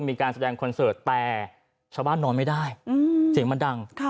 มีการแสดงคอนเสิร์ตแต่เช่าบ้านนอนไม่ได้อืมเฉยมันดังค่ะ